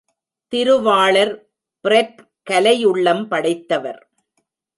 திருவாளர் பிரெட் கலை உள்ளம் படைத்தவர்.